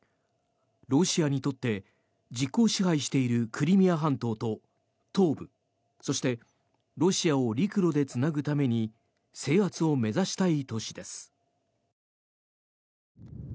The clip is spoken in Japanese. ロシアにとって実効支配しているクリミア半島と東部そしてロシアを陸路でつなぐために制圧を目指したい都市です。